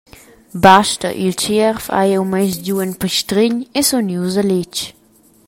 Basta, il tschierv hai jeu mess giu en pistregn e sun ius a letg.